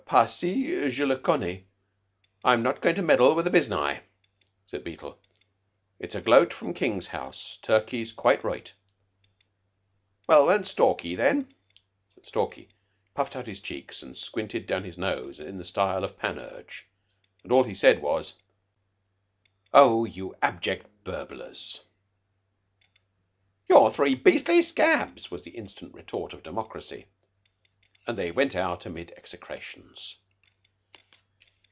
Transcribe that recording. "Par si je le connai. I'm not goin' to meddle with the biznai," said Beetle. "It's a gloat for King's house. Turkey's quite right." "Well, won't Stalky, then?" But Stalky puffed out his cheeks and squinted down his nose in the style of Panurge, and all he said was, "Oh, you abject burblers!" "You're three beastly scabs!" was the instant retort of the democracy, and they went out amid execrations.